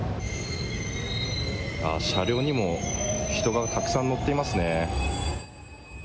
車両にも人がたくさん乗っていますね。